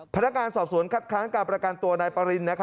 พนักการณ์สอบสวนคัดค้างกับประการตัวนายประริน